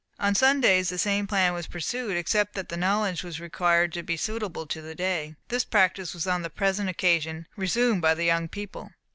On Sundays the same plan was pursued, except that the knowledge was required to be suitable to the day. This practice was on the present occasion resumed by the young people.